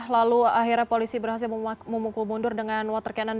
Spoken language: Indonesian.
lalu akhirnya polisi berhasil memukul mundur dengan water cannon